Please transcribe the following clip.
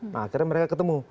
nah akhirnya mereka ketemu